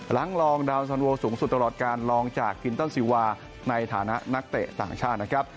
ลองดาวสันโวสูงสุดตลอดการลองจากทินเติลซีวาในฐานะนักเตะต่างชาตินะครับ